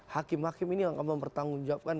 hakim hakim ini yang akan mempertanggungjawabkan